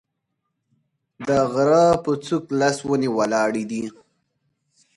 د غره په څوک لس ونې ولاړې دي